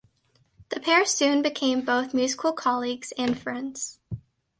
The pair soon became both musical colleagues and friends.